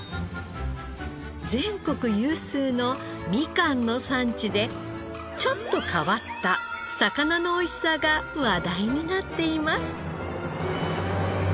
全国有数のみかんの産地でちょっと変わった魚の美味しさが話題になっています。